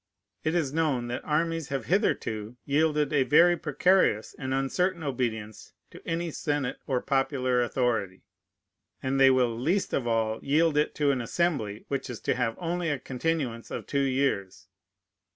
It is known that armies have hitherto yielded a very precarious and uncertain obedience to any senate or popular authority; and they will least of all yield it to an Assembly which is to have only a continuance of two years.